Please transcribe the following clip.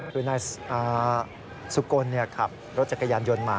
คือนายสุกลขับรถจักรยานยนต์มา